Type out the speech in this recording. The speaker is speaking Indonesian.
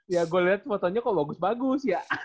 ya gue liat fotonya kok bagus bagus ya